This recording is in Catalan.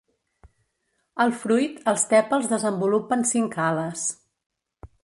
Al fruit, els tèpals desenvolupen cinc ales.